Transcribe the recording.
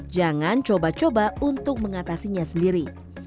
jangan coba coba untuk mengatasinya sendiri